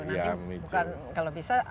nanti bukan kalau bisa